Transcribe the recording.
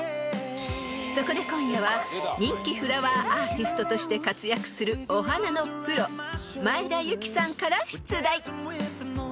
［そこで今夜は人気フラワーアーティストとして活躍するお花のプロ前田有紀さんから出題］